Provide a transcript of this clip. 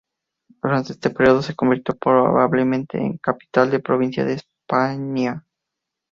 Durante este periodo se convirtió, probablemente, en capital de la provincia de Spania.